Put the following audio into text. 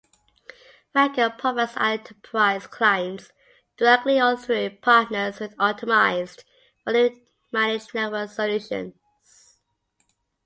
Vanco provides enterprise clients, directly or through partners, with optimized fully managed network solutions.